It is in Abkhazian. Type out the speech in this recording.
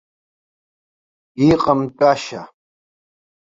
Иҟам тәашьа.